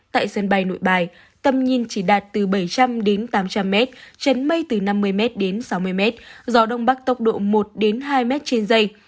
tại sân bay nội bài tầm nhìn chỉ đạt từ bảy trăm linh đến tám trăm linh mét chấn mây từ năm mươi mét đến sáu mươi mét gió đông bắc tốc độ một đến hai mét trên giây